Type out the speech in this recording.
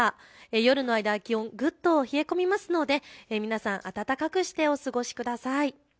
夜の間、気温ぐっと冷え込みますので皆さん暖かくしてお過ごしください。